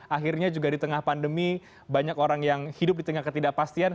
akhirnya juga di tengah pandemi banyak orang yang hidup di tengah ketidakpastian